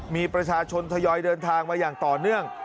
มีประชาชนทยอยเดินทางมาอย่างต่อเนื่อง